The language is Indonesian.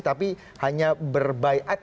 tapi hanya berbaik